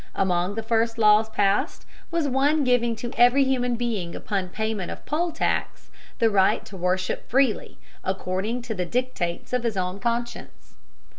Among the first laws passed was one giving to every human being upon payment of poll tax the right to worship freely according to the dictates of his own conscience.